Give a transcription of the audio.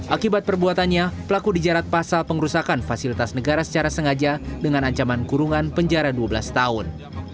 akibat perbuatannya pelaku dijerat pasal pengerusakan fasilitas negara secara sengaja dengan ancaman kurungan penjara dua belas tahun